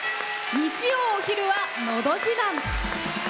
日曜お昼は「のど自慢」。